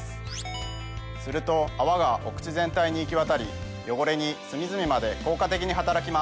すると泡がお口全体に行きわたり汚れに隅々まで効果的に働きます。